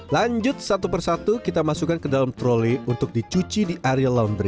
lanjut satu persatu kita masukkan ke dalam trolley untuk dicuci di area laundry